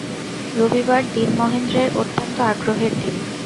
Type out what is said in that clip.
রবিবার দিন মহেন্দ্রের অত্যন্ত আগ্রহের দিন।